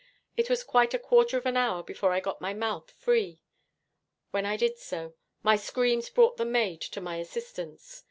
It was quite a quarter of an hour before I got my mouth free. When I did so, my screams brought the maid to my assistance.